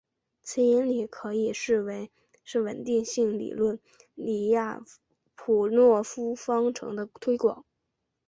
此引理可以视为是稳定性理论李亚普诺夫方程的推广。